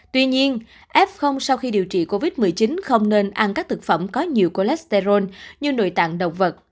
tuy nhiên f sau khi điều trị covid một mươi chín không nên ăn các thực phẩm có nhiều cholesterol như nội tạng động vật